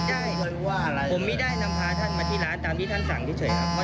แต่ถ้ามีได้แสดงบัญก็คือ